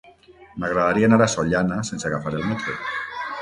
M'agradaria anar a Sollana sense agafar el metro.